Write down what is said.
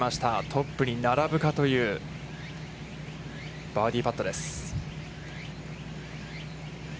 トップに並ぶかというバーディーパットです。